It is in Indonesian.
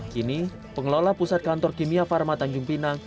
kini pengelola pusat kantor kimia pharma tanjung pinang